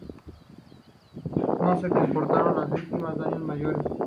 No se reportaron víctimas o daños mayores.